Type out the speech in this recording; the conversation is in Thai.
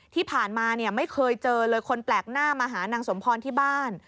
ที่ผ่านมาเนี่ยไม่เคยเจอเลยคนแปลกหน้ามาหานางสมพรที่บ้าน